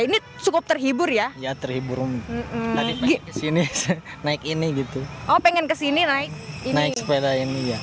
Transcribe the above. ini cukup terhibur ya ya terhibur tadi pagi kesini naik ini gitu oh pengen kesini naik naik sepeda ini